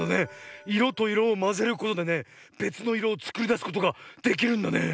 いろといろをまぜることでねべつのいろをつくりだすことができるんだね。